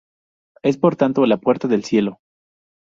Es por tanto, la puerta del cielo.